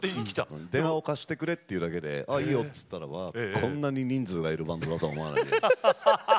電話を貸してくれというだけでいいよと言ったらこんなに人数がいるバンドとは思わなかった。